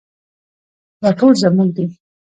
دا ټول زموږ دي